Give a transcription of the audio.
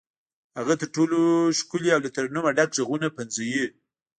هغه تر ټولو ښکلي او له ترنمه ډک غږونه پنځوي.